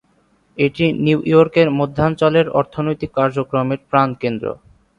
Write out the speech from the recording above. এটি নিউ ইয়র্কের মধ্যাঞ্চলের অর্থনৈতিক কার্যক্রমের প্রাণকেন্দ্র।